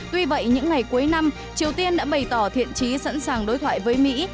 tuy vậy những ngày cuối năm triều tiên đã bày tỏ thiện trí sẵn sàng đối thoại với mỹ